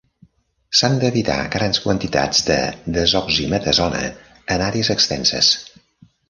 S'han d'evitar grans quantitats de desoximetasona en àrees extenses.